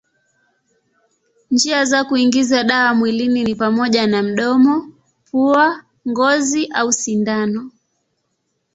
Njia za kuingiza dawa mwilini ni pamoja na mdomo, pua, ngozi au sindano.